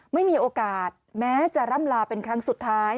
ไม่มีโอกาสแม้จะร่ำลาเป็นครั้งสุดท้าย